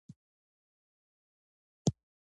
• د سهار سپین آسمان د صفا نښه ده.